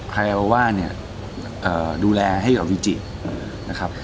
ไฮวาว่าเนี่ยดูแลให้กับวิจินะครับ